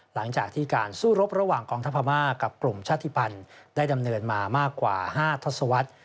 หลังจากที่การสู้รบระหว่างกองทัพพม่ากับกลุ่มชาติภัณฑ์ได้ดำเนินมามากกว่า๕ทศวรรษ